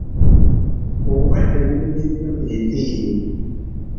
Obulwadde obulumye nnyo ente eyo.